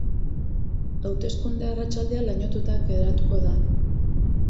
Hauteskunde arratsaldea lainotuta geratuko da.